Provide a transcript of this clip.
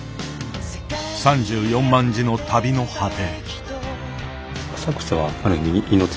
３４万字の旅の果て。